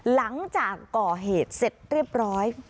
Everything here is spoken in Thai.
หลังจากก่อเหตุเสร็จเรียบร้อย